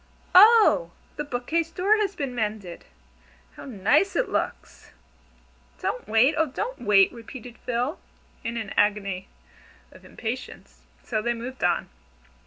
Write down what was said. Oh! the bookcase door has been mended! How nice it looks." "Don't wait, oh, don't wait!" repeated Phil, in an agony of impatience. So they moved on.